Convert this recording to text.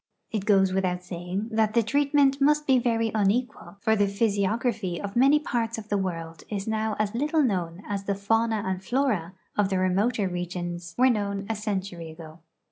It goes without saying that the treatment must be very unequal, for the physiog raphy of many parts of the world is now as little known as the fauna and flora of the remoter regions were known a century ago.